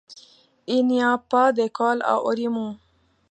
Il n'y a pas d'école à Aurimont.